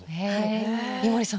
井森さん